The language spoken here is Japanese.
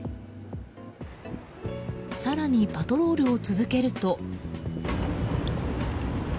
更にパトロールを続けると。